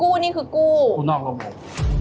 นี่คือกู้กู้นอกระบบ